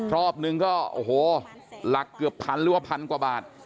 รอบนึงก็โอ้โหหลักเกือบพันหรือว่าพันกว่าบาท